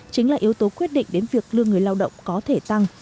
chính là yếu tố quyết định đến việc lương người lao động có thể tăng